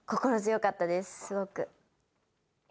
すごく。